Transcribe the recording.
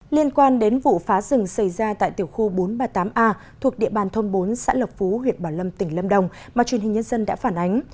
liên quan đến vụ phá rừng xảy ra tại tiểu khu bốn trăm ba mươi tám a thuộc địa bàn thôn bốn xã lộc phú huyện bảo lâm tỉnh lâm đồng mà truyền hình nhân dân đã phản ánh